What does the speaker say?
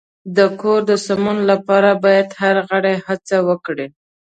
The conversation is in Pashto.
د کور د سمون لپاره باید هر غړی هڅه وکړي.